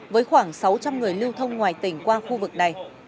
với khoảng sáu trăm linh người lưu thông ngoài tỉnh qua khu vực này